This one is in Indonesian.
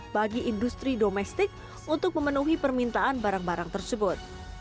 bagi industri domestik untuk memenuhi permintaan barang barang tersebut